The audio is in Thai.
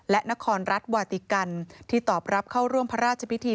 และนครรัฐวาติกันที่ตอบรับเข้าร่วมพระราชพิธี